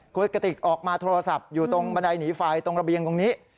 คุณกติกออกมาโทรศัพท์อยู่ตรงบันไดหนีไฟตรงระเบียงตรงนี้